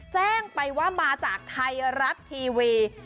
แจ้งไปว่ามาจากไทยรัฐทีวี